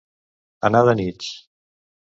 Anar de nits.